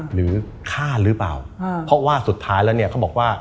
หรือฆ่าหรือเปล่าเพราะว่าสุดท้ายแล้วเนี่ยเขาบอกว่า